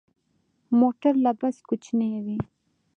موټر له بس کوچنی وي.